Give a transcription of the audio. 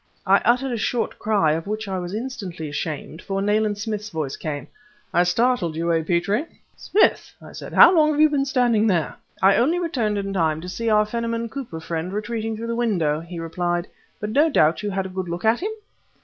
I uttered a short cry, of which I was instantly ashamed, for Nayland Smith's voice came: "I startled you, eh, Petrie?" "Smith," I said, "how long have you been standing there?" "I only returned in time to see our Fenimore Cooper friend retreating through the window," he replied; "but no doubt you had a good look at him?"